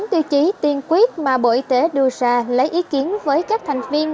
bốn tiêu chí tiên quyết mà bộ y tế đưa ra lấy ý kiến với các thành viên